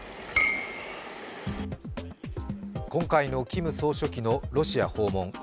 今回のキム総書記のロシア訪問。